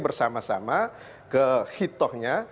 bersama sama ke hitohnya